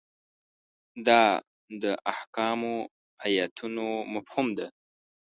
دا د احکامو ایتونو مفهوم ده.